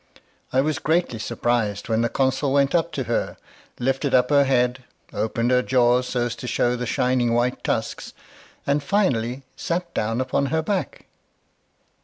I was greatly surprised when the consul went up to her, lifted up her head, opened her jaws so as to show the shining white tusks, and finally sat down upon her hack.